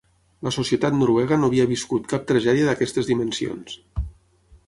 La societat noruega no havia viscut cap tragèdia d’aquestes dimensions.